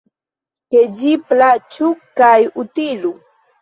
Ke ĝi plaĉu kaj utilu!